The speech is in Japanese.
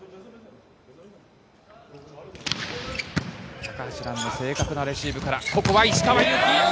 高橋藍の正確なレシーブからここは石川祐希。